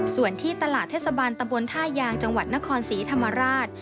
ส่วนที่ตลาดเทศบาลตะบนท่ายางจังหวัดนครศรีธรรมราช